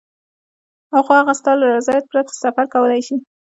خو هغه ستا له رضایت پرته سفر کولای شي.